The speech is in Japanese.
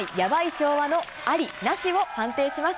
昭和のありなしを判定します。